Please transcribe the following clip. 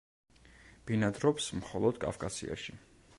ბინადრობს მხოლოდ კავკასიაში.